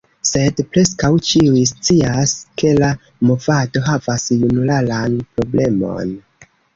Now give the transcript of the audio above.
Sed preskaŭ ĉiuj scias ke la movado havas junularan problemon.